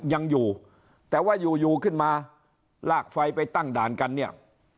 ยังอยู่แต่ว่าอยู่อยู่ขึ้นมาลากไฟไปตั้งด่านกันเนี่ย